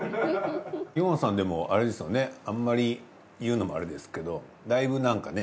ヨンアさんでもあれですよねあんまり言うのもあれですけどだいぶなんかね